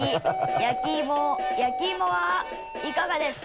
焼き芋焼き芋はいかがですか？